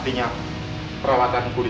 aku sudah berusaha untuk menghentikanmu